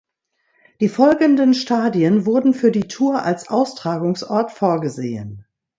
Die folgenden Stadien wurden für die Tour als Austragungsort vorgesehen